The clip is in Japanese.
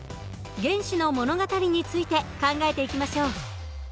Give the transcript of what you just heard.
原子の物語について考えていきましょう。